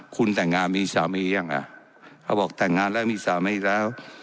คุณแต่งงานมีสามียังอ่ะเขาบอกแต่งงานแล้วมีสามีอีกแล้ว